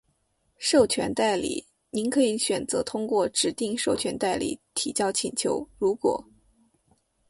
授权代理。您可以选择通过指定授权代理提交请求，如果：